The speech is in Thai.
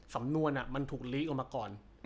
สำนวนมันถูกลีกออกมาก่อน